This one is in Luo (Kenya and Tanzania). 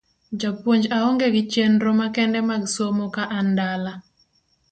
Japuonj aonge gi chenro makende mag somo ka an dala.